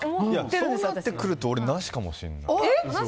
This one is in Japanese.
そうなってくると俺、なしかもしれない。